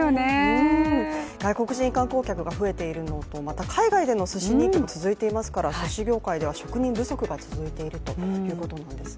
外国人観光客が増えているのと海外でのすし人気が続いているので、すし業界では職人不足が続いているということなんですね。